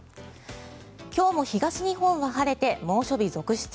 今日も東日本は晴れて猛暑日続出。